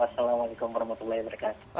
wassalamualaikum warahmatullahi wabarakatuh